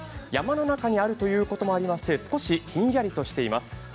山の中にあるということもありまして、少しひんやりとしています。